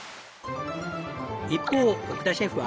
一方奥田シェフは。